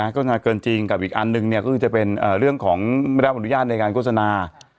โฆษณาเกินจริงกับอีกอันหนึ่งก็คือจะเป็นเรื่องของไม่ได้รับอนุญาตในการโฆษณา